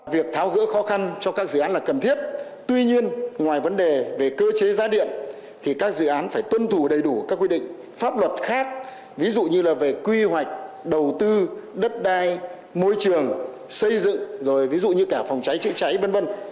việc tháo gỡ khó khăn cho các dự án là cần thiết tuy nhiên ngoài vấn đề về cơ chế giá điện thì các dự án phải tuân thủ đầy đủ các quy định pháp luật khác ví dụ như là về quy hoạch đầu tư đất đai môi trường xây dựng rồi ví dụ như cả phòng cháy chữa cháy v v